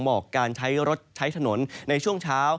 หมอกการใช้รถใช้ถนนในช่วงเช้า